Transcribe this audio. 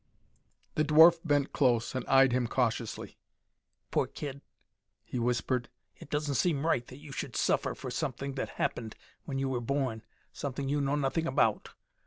The dwarf bent close and eyed him cautiously. "Poor kid!" he whispered, "it doesn't seem right that you should suffer for something that happened when you were born; something you know nothing about.